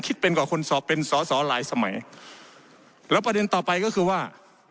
คิดเป็นกว่าคนสอบเป็นสอสอหลายสมัยแล้วประเด็นต่อไปก็คือว่า